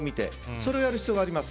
それをやる必要があります。